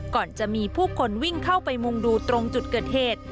ก่อนจะมีผู้คนวิ่งเข้าไปมุงดูตรงจุดเกิดเหตุ